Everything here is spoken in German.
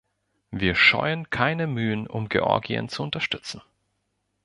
Wir scheuen keine Mühen, um Georgien zu unterstützen.